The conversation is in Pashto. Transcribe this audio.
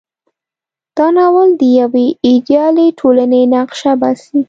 دا ناول د یوې ایډیالې ټولنې نقشه باسي.